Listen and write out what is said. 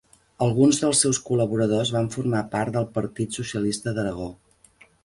Alguns dels seus col·laboradors van formar part del Partit Socialista d'Aragó.